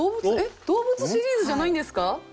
動物シリーズじゃないんですか？